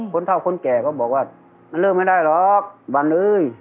คนเท่าคนแก่ก็บอกว่ามันเริ่มไม่ได้หรอกวันเอ้ย